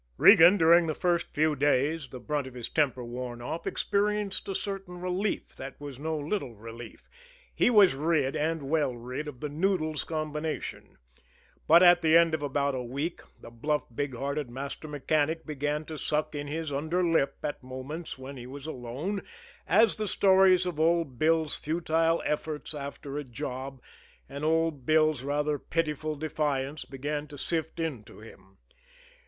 Regan, during the first few days, the brunt of his temper worn off, experienced a certain relief, that was no little relief he was rid, and well rid, of the Noodles combination. But at the end of about a week, the bluff, big hearted master mechanic began to suck in his under lip at moments when he was alone, as the stories of old Bill's futile efforts after a job, and old Bill's rather pitiful defiance began to sift in to him.